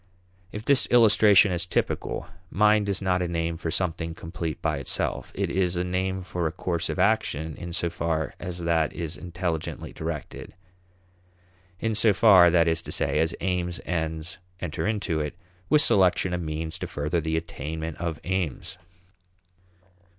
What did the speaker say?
If this illustration is typical, mind is not a name for something complete by itself; it is a name for a course of action in so far as that is intelligently directed; in so far, that is to say, as aims, ends, enter into it, with selection of means to further the attainment of aims.